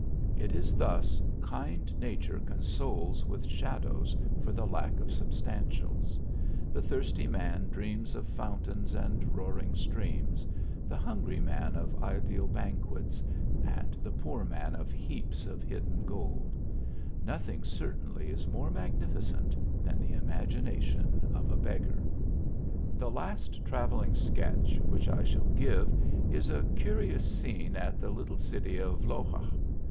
It is thus kind nature consoles with shadows for the lack of substantials. The thirsty man dreams of fountnins THE JOURNEY. 23 and roaring streams, the hungry man of ideal ban quets, and the poor man of heaps of hidden gold ; nothing certainly is more magnificent than the imagination of a beggar. The last travelling sketch which I shall give is a curious scene at the little city of Loxa.